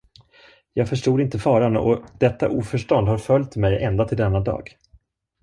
Jag förstod inte faran och detta oförstånd har följt mig ända till denna dag.